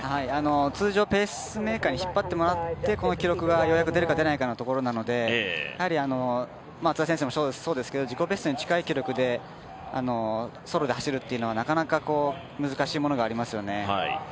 通常ペースメーカーに引っ張ってもらってこの記録が出るか出ないかのところですので松田選手もそうですけど自己ベストに近い記録でソロで走るというのはなかなか難しいものがありますよね。